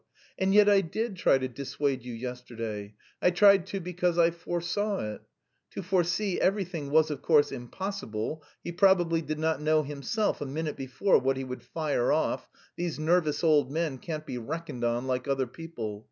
And yet I did try to dissuade you yesterday; I tried to because I foresaw it. To foresee everything was, of course, impossible; he probably did not know himself a minute before what he would fire off these nervous old men can't be reckoned on like other people.